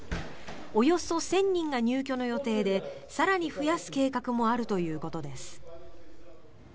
およそ１０００人が入居の予定で更に増やす計画もあるということです。